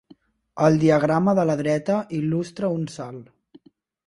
El diagrama de la dreta il·lustra un salt.